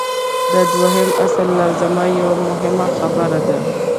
د دویم اصل لازمه یوه مهمه خبره ده.